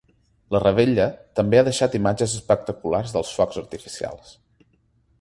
La revetlla també ha deixat imatges espectaculars dels focs artificials.